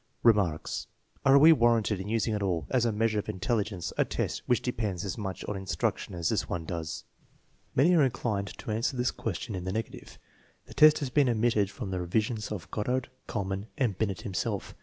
Remarks. Are we warranted in using at all as a measure of intelligence a test which depends as much on instruc tion as this one does ? Many are inclined to answer this ques tion in the negative. The test has been omitted from the revisions of Goddard, Kuhlmann, and Binet himself.